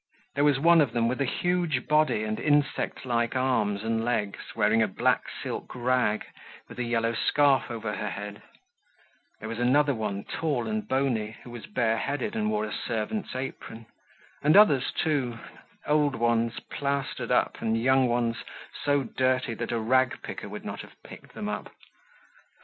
There was one of them with a huge body and insect like arms and legs, wearing a black silk rag, with a yellow scarf over her head; there was another one, tall and bony, who was bareheaded and wore a servant's apron; and others, too—old ones plastered up and young ones so dirty that a ragpicker would not have picked them up.